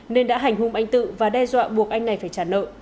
nên đã hành hung anh tự và đe dọa buộc anh này phải trả nợ